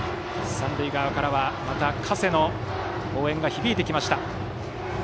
三塁側からは、また「加勢」の応援が響いてきました。